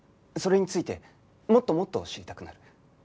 それについてもっともっと知りたくなる。